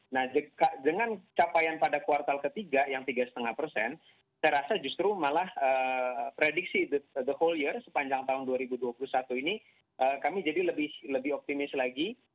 nah dengan capaian pada kuartal ketiga yang tiga lima persen saya rasa justru malah prediksi the whole year sepanjang tahun dua ribu dua puluh satu ini kami jadi lebih optimis lagi